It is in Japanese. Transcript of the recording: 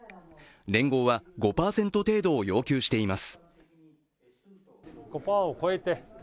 連合は５％程度を要求しています。